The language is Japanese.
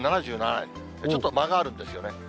ちょっと間があるんですよね。